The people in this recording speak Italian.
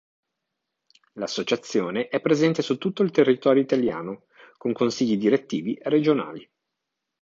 L'associazione è presente su tutto il territorio italiano con consigli direttivi regionali.